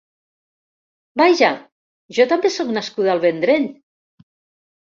Vaja, jo també sóc nascuda al Vendrell.